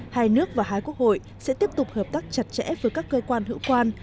hai nước và hai quốc hội sẽ tiếp tục hợp tác chặt chẽ với các cơ quan hữu quan